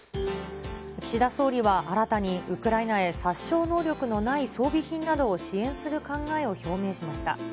岸田総理は新たにウクライナへ殺傷能力のない装備品などを支援する考えを表明しました。